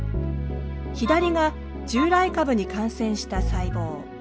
左が従来株に感染した細胞。